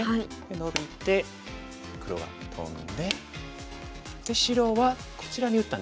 ノビて黒がトンで白はこちらに打ったんですね。